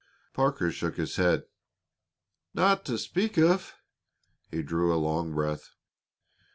Parker shook his head. "Not to speak of." He drew a long breath.